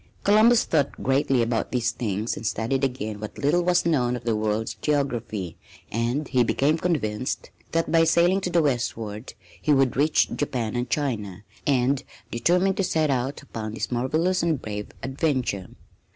Columbus thought greatly about these things and studied again what little was known of the world's geography; and he became convinced that by sailing to the westward he would reach Japan and China, and determined to set out upon this marvelous and brave adventure.